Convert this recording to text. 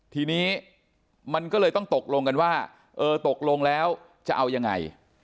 ทีนี้มันก็เลยต้องตกลงกันว่าเออตกลงแล้วจะเอายังไง